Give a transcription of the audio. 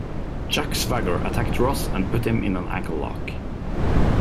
Jack Swagger attacked Ross and put him in an Ankle Lock.